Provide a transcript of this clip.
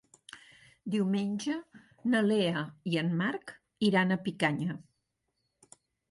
Diumenge na Lea i en Marc iran a Picanya.